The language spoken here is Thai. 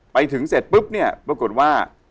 ไปถึงเสร็จปุ๊บเนี่ยปรากฏว่า